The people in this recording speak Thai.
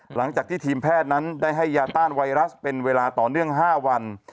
หลังจากที่ทีมแพทย์นั้นได้ให้ยาต้านไวรัสเป็นเวลาต่อเนื่อง๕วัน